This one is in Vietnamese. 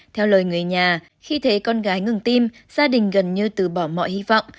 theo lời người nhà khi thấy con gái ngừng tim gia đình gần như từ bỏ mọi hy vọng